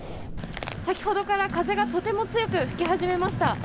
先ほどから風がとても強く吹き始めました。